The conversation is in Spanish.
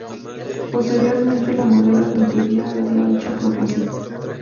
Posteriormente la modelo admitiría haberlo hecho a propósito.